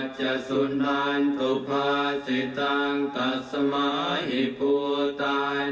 ของบทรัตนสูตร